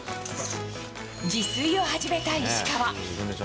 自炊を始めた石川。